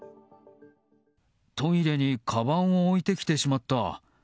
トイレにかばんを置いてきてしまった。